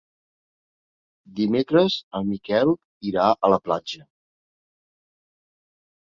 Dimecres en Miquel irà a la platja.